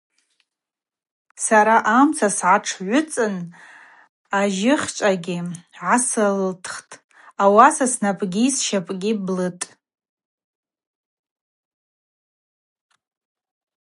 Сара амца сгӏатшгӏвыцӏын ажьыхьчӏвагьи гӏасылсххтӏ, ауаса снапӏгьи сщапӏгьи блытӏ.